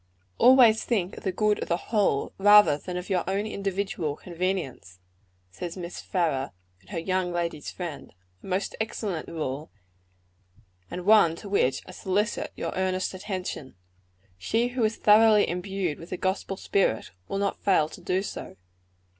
"Always think of the good of the whole, rather than of your own individual convenience," says Mrs. Farrar, in her Young Ladies' Friend: a most excellent rule, and one to which I solicit your earnest attention. She who is thoroughly imbued with the gospel spirit, will not fail to do so.